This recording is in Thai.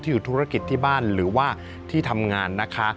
อยู่ธุรกิจที่บ้านหรือว่าที่ทำงานนะคะ